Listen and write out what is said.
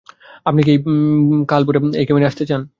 আপনি কি কাল ভোরে এই কেবিনে আসতে চান?